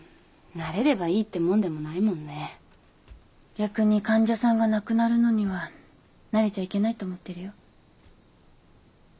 逆に患者さんが亡くなるのには慣れちゃいけないと思ってるよ。